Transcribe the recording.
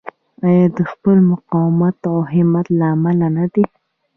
آیا د خپل مقاومت او همت له امله نه دی؟